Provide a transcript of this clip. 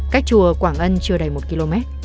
cách chùa quảng ân chưa đầy một km